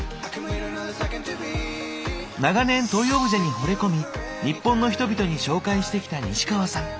長年トイオブジェに惚れ込み日本の人々に紹介してきた西川さん。